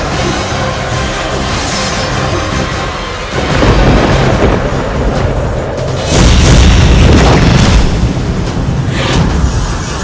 bagaimana kau dapat menemukan aku